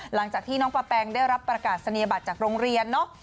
หลังจากที่น้องปะแปงได้รับประกาศนียบัตรจากโรงเรียนเนอะ